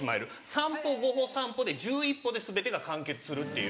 ３歩５歩３歩で１１歩で全てが完結するっていう。